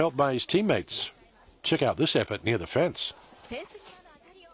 フェンス際の当たりを。